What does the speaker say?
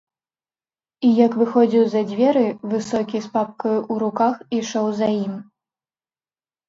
І як выходзіў за дзверы, высокі з папкаю ў руках ішоў за ім.